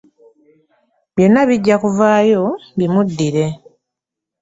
Byonna bijja kuvaayo bimuddire.